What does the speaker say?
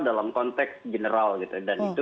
dalam konteks general gitu dan itu